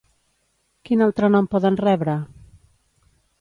Quin altre nom poden rebre?